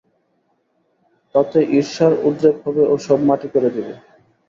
তাতে ঈর্ষার উদ্রেক হবে ও সব মাটি করে দেবে।